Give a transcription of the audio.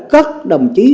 các đồng chí